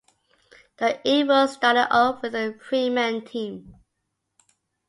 The effort started off with a three-man team.